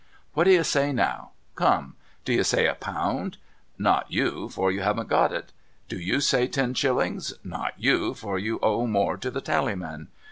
What do you say now ? Come ! Do you say a pound ? Not you, for you haven't got it. Do you say ten shillings ? Not you, for you owe more to the tallyman.